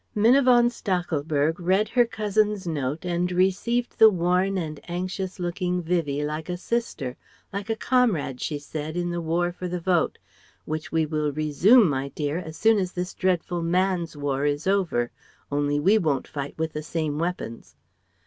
Minna von Stachelberg read her cousin's note and received the worn and anxious looking Vivie like a sister ... like a comrade, she said, in the War for the Vote ... "which we will resume, my dear, as soon as this dreadful Man's war is over, only we won't fight with the same weapons."